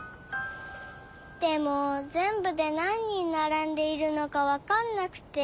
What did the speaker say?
でもぜんぶでなん人ならんでいるのかわかんなくて。